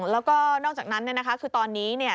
แล้วก็นอกจากนั้นเนี่ยนะคะคือตอนนี้เนี่ย